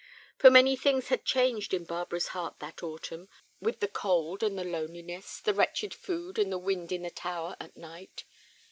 For many things had changed in Barbara's heart that autumn, with the cold and the loneliness, the wretched food, and the wind in the tower at night.